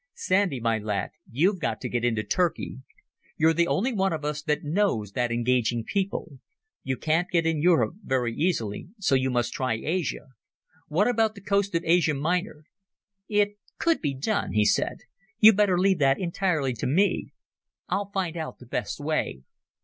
Sandy, my lad, you've got to get into Turkey. You're the only one of us that knows that engaging people. You can't get in by Europe very easily, so you must try Asia. What about the coast of Asia Minor?" "It could be done," he said. "You'd better leave that entirely to me. I'll find out the best way.